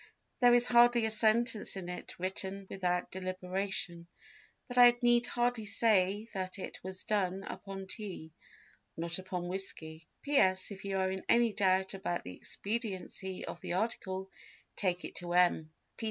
There is hardly a sentence in it written without deliberation; but I need hardly say that it was done upon tea, not upon whiskey ... "P.S. If you are in any doubt about the expediency of the article take it to M.